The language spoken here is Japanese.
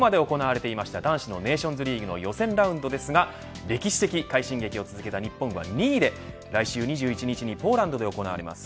昨日まで行われてた男子のネーションズリーグの予選ラウンドですが歴史的快進撃を続けた日本は２位で来週２１日にポーランドで行われます